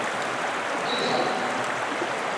Gedha.